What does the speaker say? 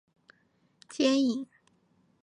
尖颖早熟禾为禾本科早熟禾属下的一个种。